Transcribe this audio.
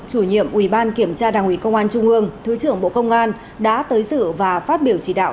chủ nhiệm ủy ban kiểm tra đảng ủy công an trung ương thứ trưởng bộ công an đã tới sự và phát biểu chỉ đạo